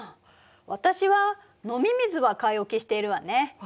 私は飲み水は買い置きしているわね。